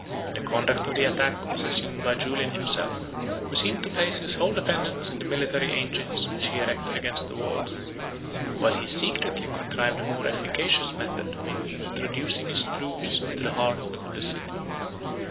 The conduct of the attack was assumed by Julian himself, who seemed to place his whole dependence in the military engines which he erected against the walls; while he secretly contrived a more efficacious method of introducing his troops into the heart of the city.